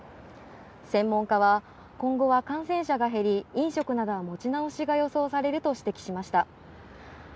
専門家は、今後は感染者が減り、飲食等は持ち直しが予想されると指摘しました。